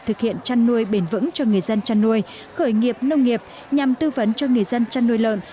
thực hiện trăn nuôi bền vững cho người dân trăn nuôi khởi nghiệp nông nghiệp nhằm tư vấn cho người dân trăn nuôi lợn